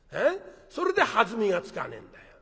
それで弾みがつかねえんだよ。